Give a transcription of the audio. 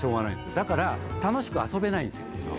だから楽しく遊べないんですよ。